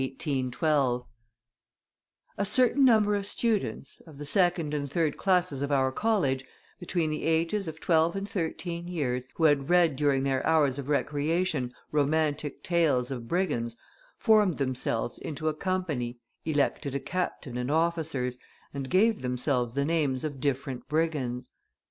_ A certain number of students, of the second and third classes of our college, between the ages of twelve and thirteen years, who had read during their hours of recreation, romantic tales of brigands, formed themselves into a company, elected a captain and officers, and gave themselves the names of different brigands.